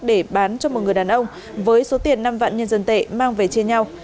để bán cho một người đàn ông với số tiền năm vạn nhân dân tệ mang về chia nhau